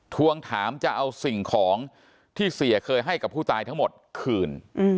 ทวงถามจะเอาสิ่งของที่เสียเคยให้กับผู้ตายทั้งหมดคืน